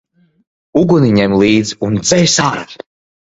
Uguni ņem līdz un dzēs ārā!